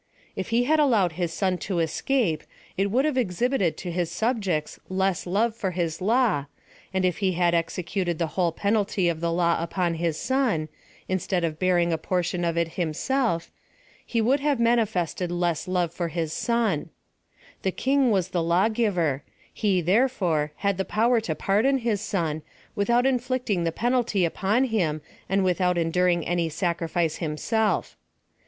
If he had allowed Ids son to escape, it would have exiiibited to his 200 PHILOSOPHY OP THE subjects less love for his law, and if he had execu ted the whole penalty of the law upon the son, hi stead of bearing a portion of it himself, he would have manifested less love for his son. The kinn was the lawgiver ; he, therefore, had the power to pardon his son, without inflicting the penalty upon him, and without enduring any sacrifice himself.